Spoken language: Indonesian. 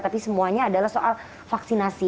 tapi semuanya adalah soal vaksinasi